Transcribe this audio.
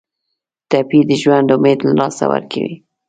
ټپي د ژوند امید له لاسه ورکوي.